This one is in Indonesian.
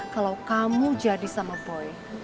kalau kamu jadi sama boy